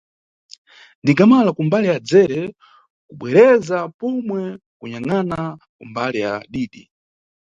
Ndikamala kumbali ya dzere, kubwereza pomwe kunyangʼana kumbali ya didi.